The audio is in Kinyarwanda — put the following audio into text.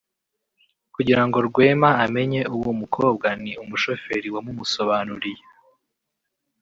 kugira ngo Rwema amenye uwo mukobwa ni umushoferi wamumusobanuriye”